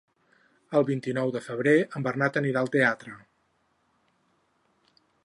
El vint-i-nou de febrer en Bernat anirà al teatre.